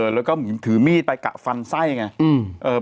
แล้วก็เหมือนถือมีดไปกะฟันไส้ไง